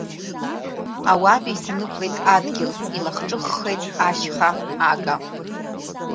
Ауаатәыҩса нықәлеит адгьыл, илахҿыххеит ашьха ага.